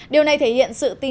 điều này thể hiện sự tín nhiệm